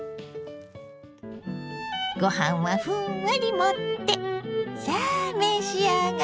ご飯はふんわり盛ってさあ召し上がれ！